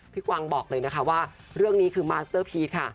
กวางบอกเลยนะคะว่าเรื่องนี้คือมาสเตอร์พีชค่ะ